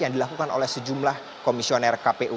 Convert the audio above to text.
yang dilakukan oleh sejumlah komisioner kpu